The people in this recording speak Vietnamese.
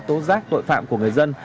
tố giác tội phạm của người dân